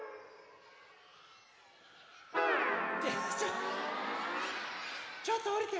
ってちょっちょっとおりて。